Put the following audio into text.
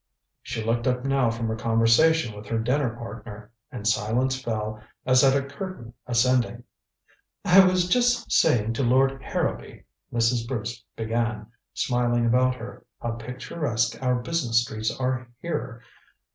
She looked up now from her conversation with her dinner partner, and silence fell as at a curtain ascending. "I was just saying to Lord Harrowby," Mrs. Bruce began, smiling about her, "how picturesque our business streets are here.